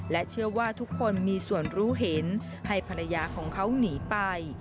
เชื่อว่าทุกคนมีส่วนรู้เห็นให้ภรรยาของเขาหนีไป